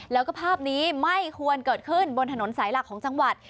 แล้วก็ภาพนี้ไม่ควรเกิดขึ้นบนถนนสายหลักของจังหวัด